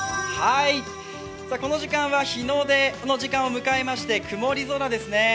この時間は日の出の時間を迎えまして曇り空ですね